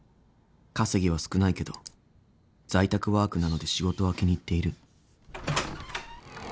［稼ぎは少ないけど在宅ワークなので仕事は気に入っている］